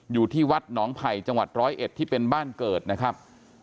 อยู่ที่วัดหนองไผ่จังหวัดร้อยเอ็ดที่เป็นบ้านเกิดนะครับ